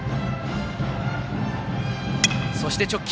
そして、直球。